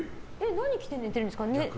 何着て寝てるんですか？